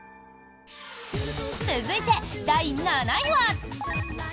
続いて、第７位は。